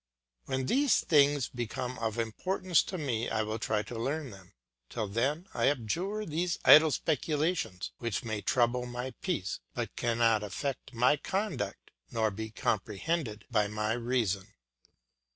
When these things become of importance to me I will try to learn them; till then I abjure these idle speculations, which may trouble my peace, but cannot affect my conduct nor be comprehended by my reason.